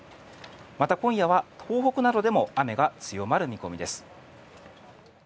また今夜は東北などでも雨が強まる見込みです。